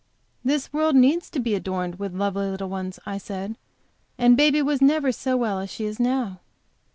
"This world needs to be adorned with lovely little ones," I said. "And baby was never so well as she is now."